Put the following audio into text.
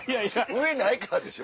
上ないからでしょ。